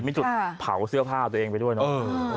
มีจุดเผาเสื้อผ้าตัวเองไปด้วยเนาะ